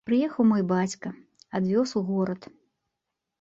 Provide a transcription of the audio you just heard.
Прыехаў мой бацька, адвёз у горад.